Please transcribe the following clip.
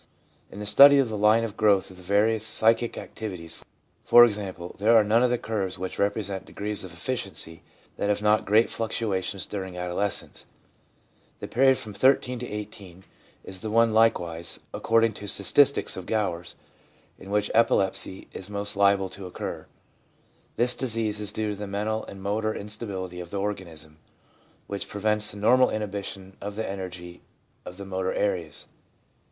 In the study of the line of growth of the various psychic activities, for example, there are none of the curves which represent degrees of efficiency that have not great fluctuations during adolescence. The period from 13 to 18 is the one likewise, according to the statistics of Gowers, in which epilepsy is most liable to occur. This disease is due to the mental and motor instability of the organism, which prevents the normal inhibition of the energy of the motor areas.